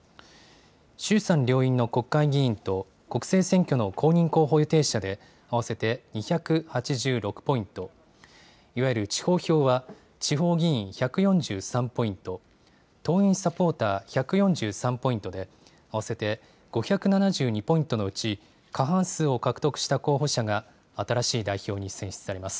衆参両院の国会議員と国政選挙の公認候補予定者で合わせて２８６ポイント、いわゆる地方票は、地方議員１４３ポイント、党員・サポーター１４３ポイントで、合わせて５７２ポイントのうち、過半数を獲得した候補者が、新しい代表に選出されます。